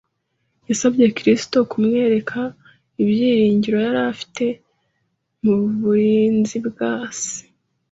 Yasabye Kristo kumwereka ibyiringiro yari afite mu burinzi bwa Se